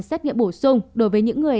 xét nghiệm bổ sung đối với những người